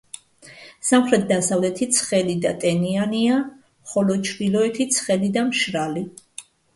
სამხრეთ-დასავლეთი ცხელი და ტენიანია, ხოლო ჩრდილოეთი ცხელი და მშრალი.